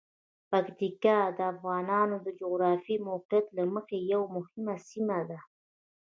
پکتیکا د افغانانو د جغرافیايی موقعیت له مخې یوه مهمه سیمه ده.